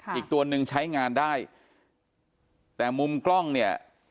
อีกตัวหนึ่งใช้งานได้แต่มุมกล้องเนี่ย